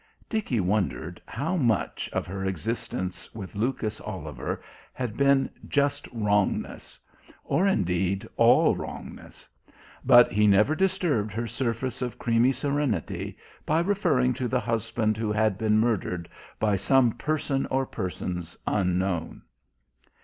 Dickie wondered how much of her existence with Lucas Oliver had been "just wrongness" or indeed "all wrongness." But he never disturbed her surface of creamy serenity by referring to the husband who had been murdered by "some person or persons unknown."